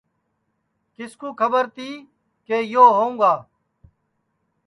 کِس کُو کھٻر تی کہ یو ہؤں گا